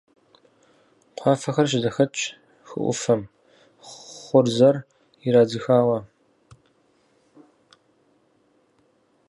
Кхъуафэхэр щызэхэтщ хы Ӏуфэм, хъурзэр ирадзыхауэ.